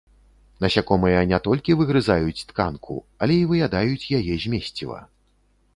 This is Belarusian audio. Насякомыя не толькі выгрызаюць тканку, але і выядаюць яе змесціва.